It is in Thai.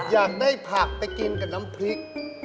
อยากได้ผักไปกินกับน้ำพริก